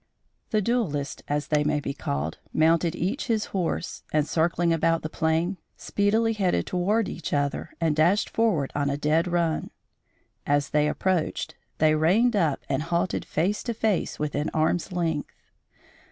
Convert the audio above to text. The duellists, as they may be called, mounted each his horse and circling about the plain, speedily headed toward each other and dashed forward on a dead run. As they approached, they reined up and halted face to face, within arm's length.